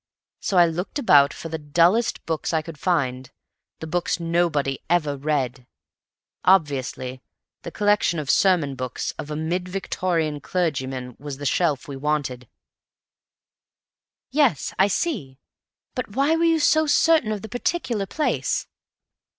So I looked about for the dullest books I could find, the books nobody ever read. Obviously the collection of sermon books of a mid Victorian clergyman was the shelf we wanted." "Yes, I see. But why were you so certain of the particular place?"